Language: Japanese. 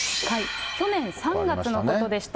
去年３月のことでした。